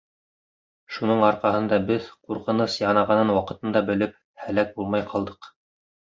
Шуның арҡаһында беҙ, ҡурҡыныс янағанын ваҡытында белеп, һәләк булмай ҡалдыҡ.